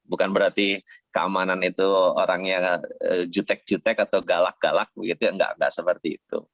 bukan berarti keamanan itu orangnya jutek jutek atau galak galak tidak seperti itu